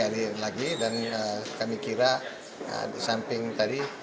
dan kami kira di samping tadi